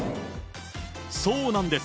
そうなんです。